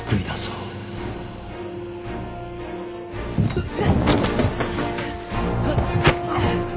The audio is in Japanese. うっ。